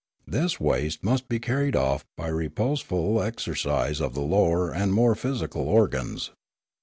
This waste must be car ried off by reposeful exercise of the lower and more physical organs.